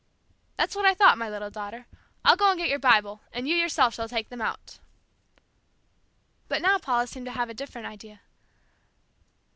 "That's what I thought, my little daughter. I'll go and get your Bible, and you yourself shall take them out." But now Paula seemed to have a different idea.